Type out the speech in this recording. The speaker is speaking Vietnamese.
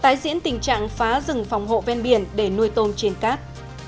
tái diễn tình trạng phá rừng phòng hộ ven biển để nuôi tôm trên cát